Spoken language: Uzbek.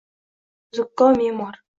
Zukko me’mor